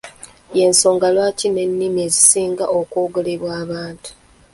Y’ensonga lwaki ze nnini ezisinga okwogerebwa abantu.